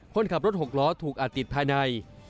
คนขับรถหกล้อถูกอัดติดภายใน